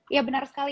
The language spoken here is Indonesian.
iya benar sekali